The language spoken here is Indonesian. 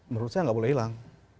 menurut saya nggak boleh hilang